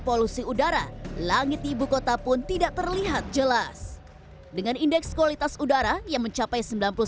polusi udara langit ibu kota pun tidak terlihat jelas dengan indeks kualitas udara yang mencapai